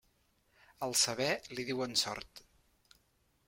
Al saber, li diuen sort.